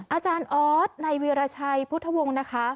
อาจารย์ออสในวีรชัยพุทธวงศ์นะคะ